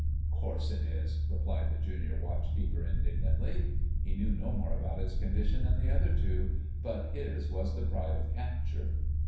"Course it is," replied the Junior Watchkeeper indignantly. He knew no more about its condition than the other two, but his was all the pride of capture.